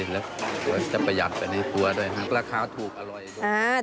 แล้วมันจะประหยัดไปในตัวด้วยนะราคาถูกอร่อยด้วย